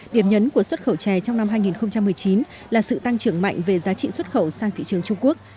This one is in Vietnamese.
điểm nhấn của xuất khẩu chè trong năm hai nghìn một mươi chín là sự tăng trưởng mạnh về giá trị xuất khẩu sang thị trường trung quốc